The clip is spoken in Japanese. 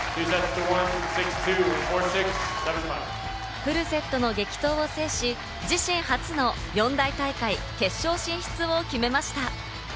フルセットの激闘を制し、自身初の４大大会決勝進出を決めました。